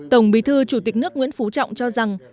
tổng bí thư chủ tịch nước nguyễn phú trọng cho rằng